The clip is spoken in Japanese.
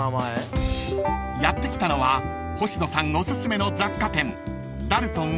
［やって来たのは星野さんおすすめの雑貨店］